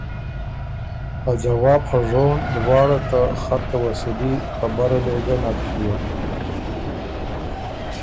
ا ځواب خه ژون لواړه ته خط ته وصولي خبره لې ګۀ نک ڒیوک۔